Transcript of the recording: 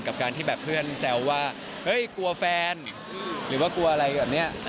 กับการที่แบบเพื่อนแซวว่าเฮ้ยกลัวแฟนหรือว่ากลัวอะไรแบบนี้